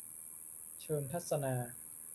เชิญทัศนา